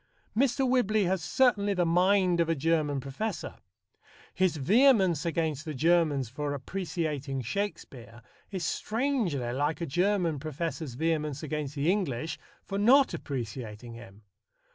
Mr. Whibley has certainly the mind of a German professor. His vehemence against the Germans for appreciating Shakespeare is strangely like a German professor's vehemence against the English for not appreciating him.